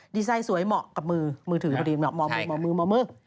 ดีไซน์สวยเหมาะกับมือมือถือพอดีเหมาะมือหมอมือ